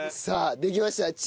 さあできました。